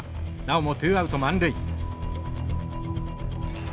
なおもツーアウト満塁。